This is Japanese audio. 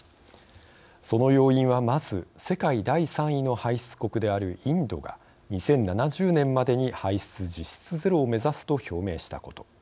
その要因はまず世界第３位の排出国であるインドが２０７０年までに排出実質ゼロを目指すと表明したこと。